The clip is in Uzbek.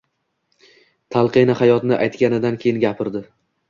Talqini bayotni aytganidan keyin gapirdi.